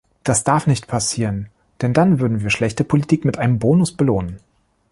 Das darf nicht passieren, denn dann würden wir schlechte Politik mit einem Bonus belohnen.